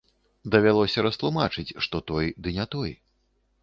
Давялося растлумачыць, што той, ды не той.